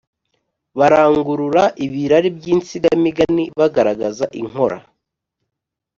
Barangurura ibirari by’insigamigani, bagaragaza inkora